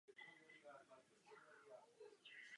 Výsledkem byla konstrukce jednotného stroje pro oba typy motorů.